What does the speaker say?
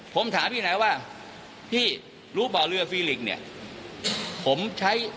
ผมถามพี่นายว่าพี่รู้เปล่าเรือฟีลิกเนี่ย